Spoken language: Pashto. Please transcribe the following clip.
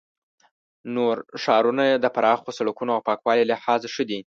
نور ښارونه یې د پراخو سړکونو او پاکوالي له لحاظه ښه دي.